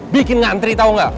bikin ngantri tau gak